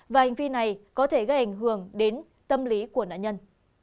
và hành vi này có thể gây ảnh hưởng đến tâm lý của nạn nhân